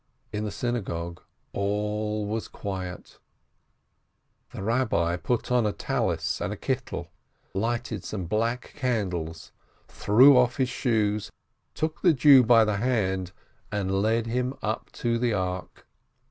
In the synagogue all was quiet. The Eabbi put on a prayer scarf and a robe, lighted some black candles, threw off his shoes, took the Jew by the hand, and led him up to the ark.